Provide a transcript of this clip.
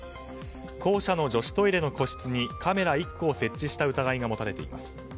校舎の女子トイレの個室にカメラ１個を設置した疑いが持たれています。